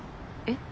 えっ？